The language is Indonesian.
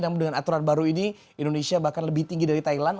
namun dengan aturan baru ini indonesia bahkan lebih tinggi dari thailand